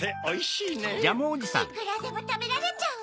いくらでもたべられちゃうわ。